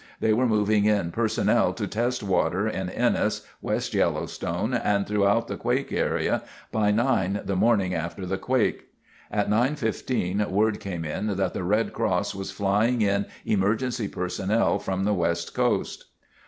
They were moving in personnel to test water in Ennis, West Yellowstone and throughout the quake area by 9:00 the morning after the quake. At 9:15 word came in that the Red Cross was flying in emergency personnel from the west coast.